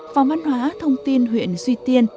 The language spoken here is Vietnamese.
phòng văn hóa thông tin huyện duy tiên